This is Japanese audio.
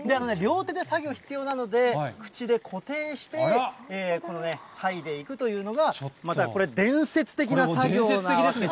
な作業が必要だそうで、口で固定して、この剥いでいくというのが、これ伝説的な作業なわけですよね。